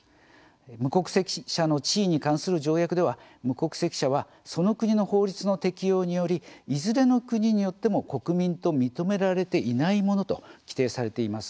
無国籍者の地位に関する条約では無国籍者はその国の法律の適用によりいずれの国によっても国民と認められていないものと規定されています。